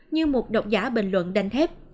như một độc giả bình luận đành thép